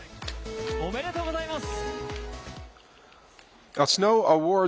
おめでとうございます。